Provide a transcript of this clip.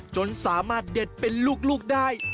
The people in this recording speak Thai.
จนสามารถเด็ดเป็นลูกได้